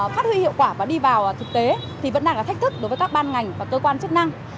phát huy hiệu quả và đi vào thực tế thì vẫn đang là thách thức đối với các ban ngành và cơ quan chức năng